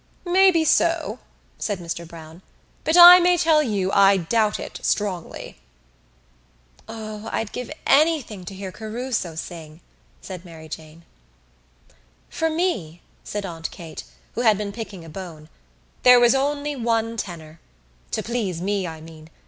"Maybe so," said Mr Browne. "But I may tell you I doubt it strongly." "O, I'd give anything to hear Caruso sing," said Mary Jane. "For me," said Aunt Kate, who had been picking a bone, "there was only one tenor. To please me, I mean.